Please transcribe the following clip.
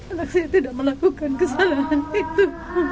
anak saya tidak melakukan kesalahan itu